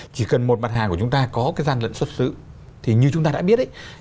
chỉ cần một mặt hàng của chúng ta có cái gian lận xuất xứ thì như chúng ta đã biết ấy